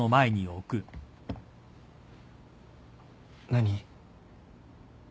何？